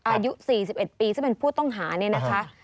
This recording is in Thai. อายุ๔๑ปีซึ่งเป็นผู้ต้องหาเนี่ยนะคะ